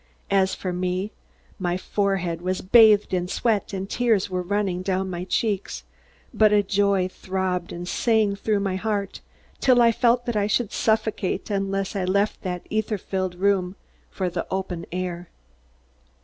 As for me, my forehead was bathed in sweat and tears were running down my cheeks, but a joy throbbed and sang through my heart till I felt that I should suffocate unless I left that ether filled room for the open air.